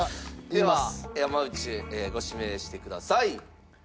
では山内ご指名してください。